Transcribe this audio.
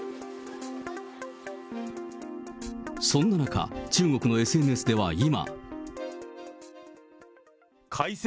そんな中、中国のＳＮＳでは今。